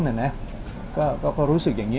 ก็รู้สึกอย่างนี้รู้สึกเหมือนเดิม